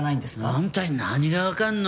あんたに何がわかるの？